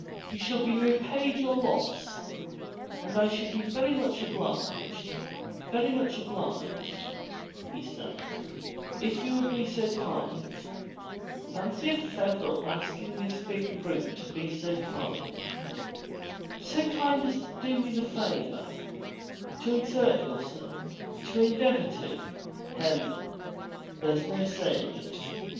You shall be repaid for your loss, and I should be very much obliged, very much obliged, he stammered, if you would be so kind (fancy a Feverel asking this big brute to be so kind), so kind as to do me the favor, — to exert yourself — to endeavor to — hem! (there's no saying it!)